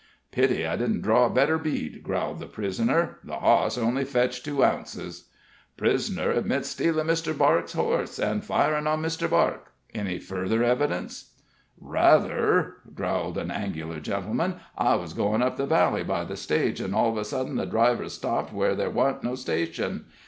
"Pity I didn't draw a better bead!" growled the prisoner. "The hoss only fetched two ounces." "Prisoner admits stealing Mr. Barke's horse, and firing on Mr. Barke. Any further evidence?" "Rather," drawled an angular gentleman. "I was goin' up the valley by the stage, an' all of a sudden the driver stopped where there wasn't no station.